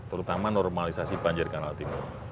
terutama normalisasi banjir kanal timur